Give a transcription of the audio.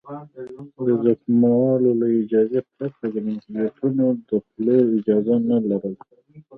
د ځمکوالو له اجازې پرته د ملکیتونو د پلور اجازه نه لرله